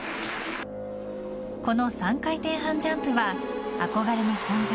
この３回転半ジャンプは憧れの存在